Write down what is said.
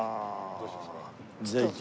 どうしますか？